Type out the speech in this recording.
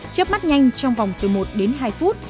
chấp mắt nhanh trong vòng từ một đến hai phút